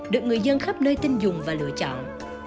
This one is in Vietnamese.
được người dân khắp nơi tin dùng và lựa chọn